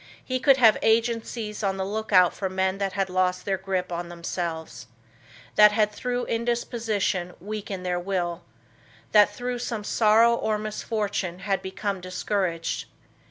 He could have agencies on the lookout for men that had lost their grip on themselves; that had through indisposition weakened their will; that through some sorrow or misfortune had become discouraged.